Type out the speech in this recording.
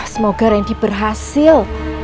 semoga randy berhasil